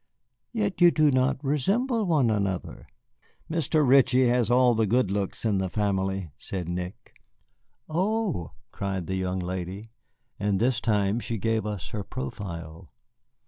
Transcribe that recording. "Yet you do not resemble one another." "Mr. Ritchie has all the good looks in the family," said Nick. "Oh!" cried the young lady, and this time she gave us her profile.